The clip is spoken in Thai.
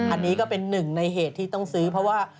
อันนี้ก็เป็นหนึ่งในเหตุที่ต้องซื้อเพราะว่า